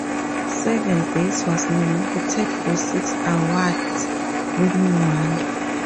"Seven Days" was nominated for six awards, winning one.